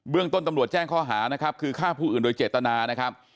เรื่องต้นตำรวจแจ้งข้อหานะครับคือฆ่าผู้อื่นโดยเจตนานะครับ